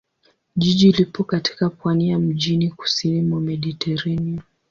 Jiji lipo katika pwani ya mjini kusini mwa Mediteranea.